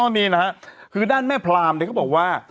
นี่นะฮะคือด้านแม่พรามเนี่ยเขาบอกว่า